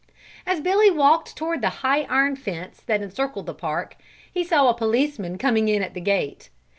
As Billy walked toward the high iron fence that encircled the park he saw a policeman coming in at the gate.